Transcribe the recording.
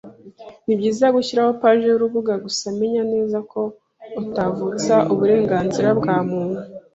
Nibyiza gushiraho page y'urubuga, gusa menya neza ko utavutsa uburenganzira bwa muntu.